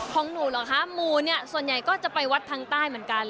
ของหนูเหรอคะหมู่เนี่ยส่วนใหญ่ก็จะไปวัดทางใต้เหมือนกัน